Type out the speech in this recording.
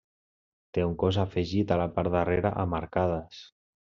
Té un cos afegit a la part darrera amb arcades.